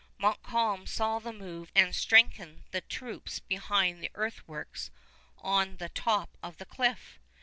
Montcalm saw the move and strengthened the troops behind the earthworks on the top of the cliff.